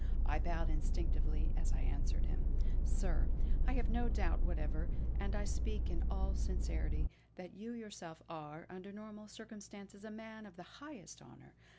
I bowed instinctively as I answered him: "Sir, I have no doubt whatever, and I speak in all sincerity, that you yourself are, under normal circumstances, a man of the highest honour.